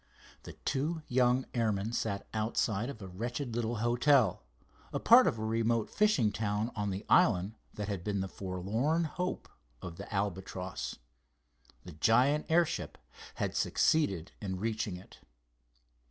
The two young airmen sat outside of a wretched little hotel, a part of a remote fishing town on the island that had been "the forlorn hope" of the Albatross. The giant airship had succeeded in reaching it.